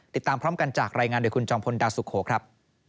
ติดตามพร้อมกันจากรายงานโดยคุณจอมพลดาวสุโขครับ